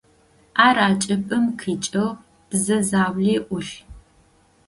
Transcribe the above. Ар ӏэкӏыбым къикӏыгъ, бзэ заули ӏулъ.